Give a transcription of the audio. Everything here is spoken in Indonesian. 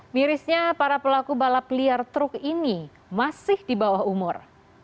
mirisnya para pelaku balap liar truk ini masih di bawah umur